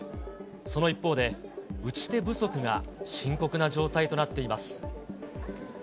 その一方で、打ち手不足が深刻な状態となっています。